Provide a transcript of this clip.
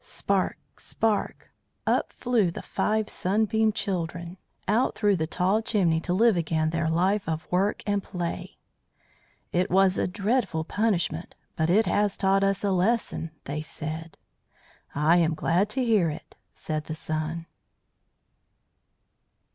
Spark! spark! Up flew the five Sunbeam Children out through the tall chimney to live again their life of work and play. "It was a dreadful punishment, but it has taught us a lesson," they said. "I am glad to hear it," said the Sun.